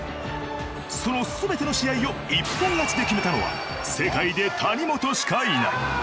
そのすべての試合を一本勝ちで決めたのは世界で谷本しかいない。